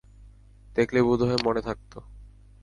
দেখলে বোধহয় মনে থাকতো।